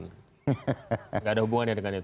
tidak ada hubungannya dengan itu